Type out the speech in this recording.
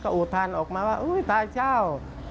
ก็อูทานออกมาว่าต่ายเช้า